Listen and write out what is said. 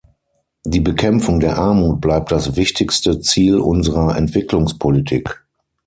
Die Bekämpfung der Armut bleibt das wichtigste Ziel unserer Entwicklungspolitik.